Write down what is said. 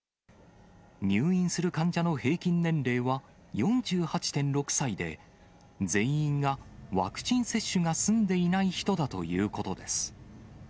入院する患者の平均年齢は４８．６歳で、全員がワクチン接種が済んでいない人だということです。